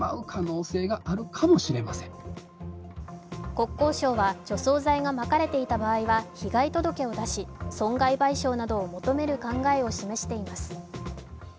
国交省は除草剤がまかれていた場合は被害届を出し、損害賠償などを求める考えを示しています。